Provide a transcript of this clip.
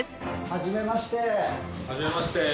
はじめまして。